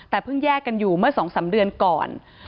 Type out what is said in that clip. แต่เพิ่งแยกกันอยู่เมื่อ๒๓เดือนก่อน